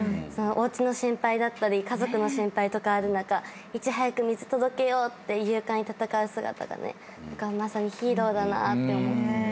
おうちの心配だったり家族の心配とかある中いち早く水届けようって勇敢に戦う姿がまさにヒーローだなって思って。